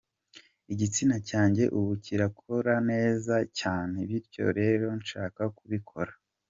Igitsina cyanjye ubu kirakora neza cyane, bityo rero nshaka kubikora.